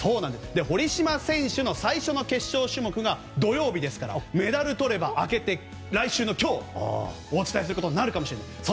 堀島選手の最初の決勝種目が土曜日ですからメダルをとれば明けて来週の今日にお伝えすることになるかもしれない。